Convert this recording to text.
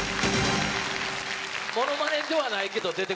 ものまねではないけど。